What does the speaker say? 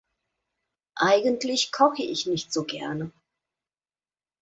Eigentlich koche ich nicht so gerne.